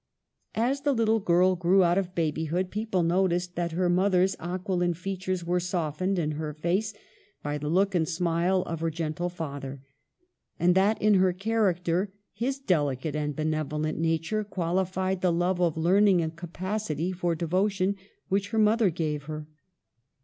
As the little girl grew out of babyhood, peo ple noticed that her mother's aquiline features were softened in her face by the look and smile of her gentle father, and that in her character his delicate and benevolent nature qualified the love of learning and capacity for devotion which her mother gave her.